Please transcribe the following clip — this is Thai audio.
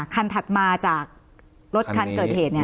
คันถัดมาจากรถคันเกิดเหตุเนี่ย